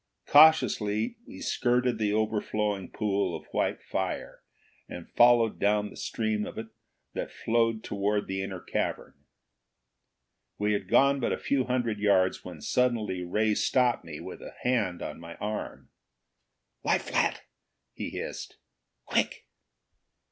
Cautiously we skirted the overflowing pool of white fire, and followed down the stream of it that flowed toward the inner cavern. We had gone but a few hundred yards when suddenly Ray stopped me with a hand on my arm. "Lie flat!" he hissed. "Quick!"